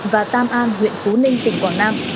và tam an huyện phú ninh tỉnh quảng nam